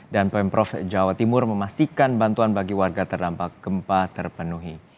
dan pemprov jawa timur memastikan bantuan bagi warga terdampak gempa terpenuhi